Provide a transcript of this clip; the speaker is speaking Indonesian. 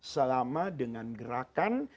selama dengan gerakan